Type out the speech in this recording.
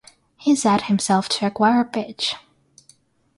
He set himself to acquire pitch.